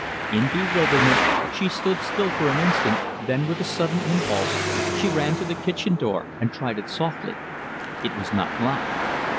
In bewilderment, she stood still an instant, then, with a sudden impulse, she ran to the kitchen door and tried it softly. It was not locked.